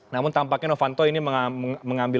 namun tampaknya novanto ini mengambil